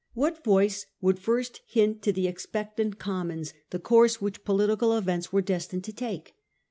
What voice would first hint to the expectant Commons the course which political events were destined to take